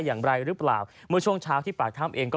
อย่างไรหรือเปล่าเมื่อช่วงเช้าที่ปากถ้ำเองก็